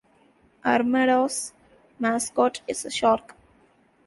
Armada's mascot is a shark.